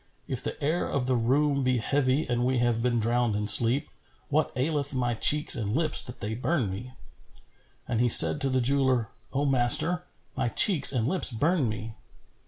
If the air of the room be heavy and we have been drowned in sleep, what aileth my cheeks and lips that they burn me?" And he said to the jeweller, "O master, my cheeks and lips burn me."